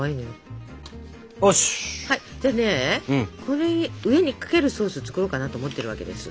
これに上にかけるソースを作ろうかなと思ってるわけです。